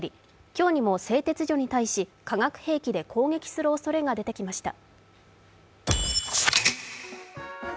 今日にも製鉄所に対し化学兵器で攻撃するおそれが出てきました。